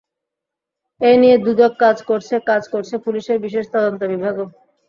এটা নিয়ে দুদক কাজ করছে, কাজ করছে পুলিশের বিশেষ তদন্ত বিভাগও।